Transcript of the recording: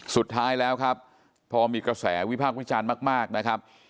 สุดท้ายแล้วครับพอมีกระแสวิพากษ์วิจารณ์มากนะครับ